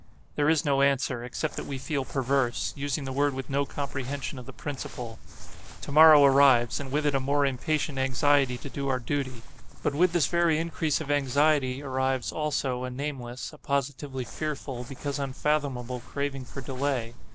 There is no answer, except that we feel perverse, using the word with no comprehension of the principle. To morrow arrives, and with it a more impatient anxiety to do our duty, but with this very increase of anxiety arrives, also, a nameless, a positively fearful, because unfathomable, craving for delay.